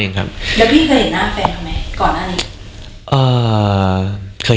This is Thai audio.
เองครับแล้วพี่เคยเห็นหน้าแฟนเขาไหมก่อนอ่ะอ่าเคย